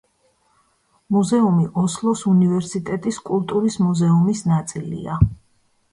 მუზეუმი ოსლოს უნივერსიტეტის კულტურის მუზეუმის ნაწილია.